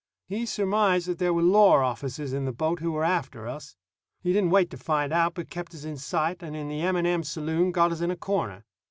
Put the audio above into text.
He surmised that there were law officers in the boat who were after us. He didn't wait to find out, but kept us in sight, and in the M.&.M. saloon got us in a corner.